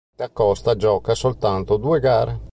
Da Costa gioca soltanto due gare.